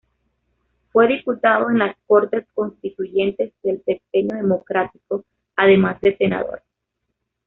Fue diputado en las Cortes constituyentes del Sexenio Democrático, además de senador.